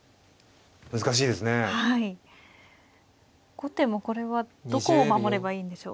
後手もこれはどこを守ればいいんでしょう。